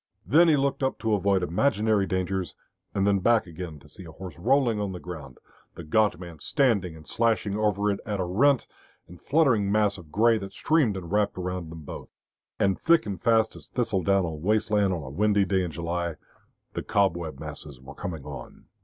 Then he looked up to avoid imaginary dangers, and then back again to see a horse rolling on the ground, the gaunt man standing and slashing over it at a rent and fluttering mass of grey that streamed and wrapped about them both. And thick and fast as thistle down on waste land on a windy day in July, the cobweb masses were coming on.